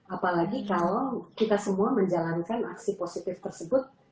apalagi kalau kita semua menjalankan aksi positif tersebut